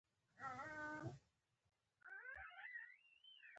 او چرته ئې د ضمير سودا نه ده کړې ۔”